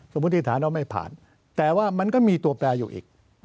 มติฐานว่าไม่ผ่านแต่ว่ามันก็มีตัวแปลอยู่อีก